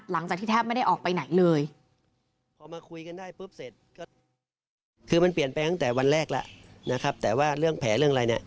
หลังจากที่แทบไม่ได้ออกไปไหนเลย